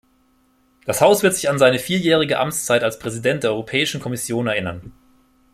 Das Haus wird sich an seine vierjährige Amtszeit als Präsident der Europäischen Kommission erinnern.